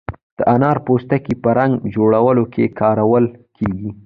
د انارو پوستکی په رنګ جوړولو کې کارول کیږي.